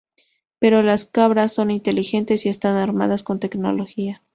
Pero las cabras son inteligentes y están armadas con tecnología.